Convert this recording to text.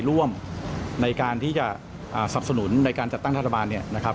ร่วมในการที่จะสำนุนในการจัดตั้งฐาจราบาน